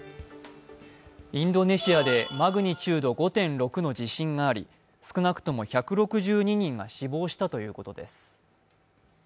インドネシアでマグニチュード５．６の地震があり少なくとも１６２人が死亡したということです。